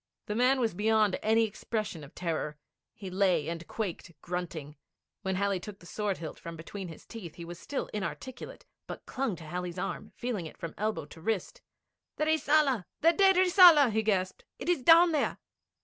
The man was beyond any expression of terror. He lay and quaked, grunting. When Halley took the sword hilt from between his teeth, he was still inarticulate, but clung to Halley's arm, feeling it from elbow to wrist. 'The Rissala! The dead Rissala!' he gasped. 'It is down there!'